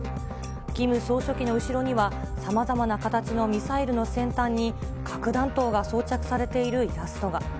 キム総書記の後ろには、さまざまな形のミサイルの先端に核弾頭が装着されているイラストが。